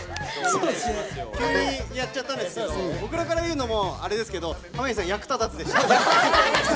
急にやっちゃったんですけど僕らから言うのもあれですけど役立たずでした。